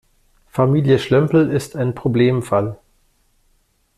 Familie Schlömpel ist ein Problemfall.